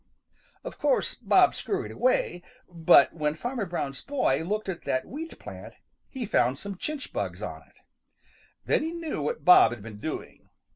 Of course Bob scurried away, but when Farmer Brown's boy looked at that wheat plant he found some chinch bugs on it. Then he knew what Bob had been doing.